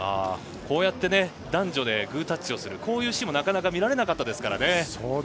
こうやって男女でグータッチをするシーンもなかなか見られなかったですからね。